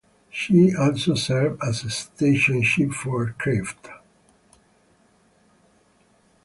She also served as a station ship for aircraft.